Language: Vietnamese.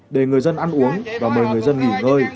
để người dân ăn uống và mời người dân nghỉ ngơi